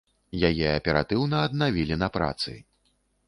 Яе аператыўна аднавілі на працы.